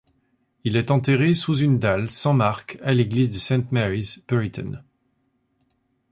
Il est enterré sous une dalle sans marque à l’église de St Mary’s, Buriton.